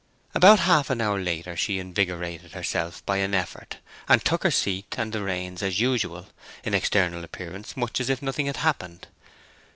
About half an hour later she invigorated herself by an effort, and took her seat and the reins as usual—in external appearance much as if nothing had happened.